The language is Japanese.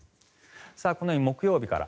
このように木曜日から。